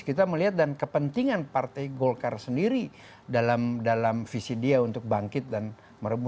kita melihat dan kepentingan partai golkar sendiri dalam visi dia untuk bangkit dan merebut